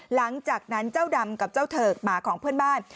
หลังจากนั้นเจ้าดำกับเจ้าเถิกหมาของเพื่อนบ้าน